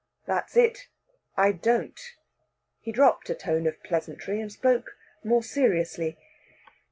"That's it; I don't!" He dropped a tone of pleasantry, and spoke more seriously.